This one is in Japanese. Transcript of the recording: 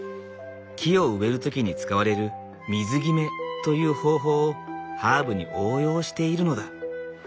木を植える時に使われる水極めという方法をハーブに応用しているのだ。